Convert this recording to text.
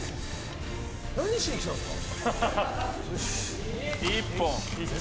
何しにきたんですか？